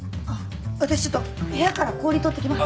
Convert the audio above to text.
私ちょっと部屋から氷取ってきます。